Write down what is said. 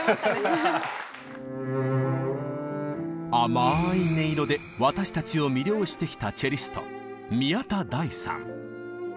甘い音色で私たちを魅了してきたチェリスト